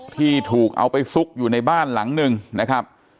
ที่ถูกเอาไปซุกอยู่ในบ้านหลังหนึ่งนะครับ